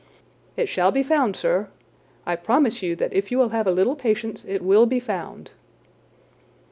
"It shall be found, sir—I promise you that if you will have a little patience it will be found."